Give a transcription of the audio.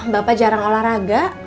bapak jarang olahraga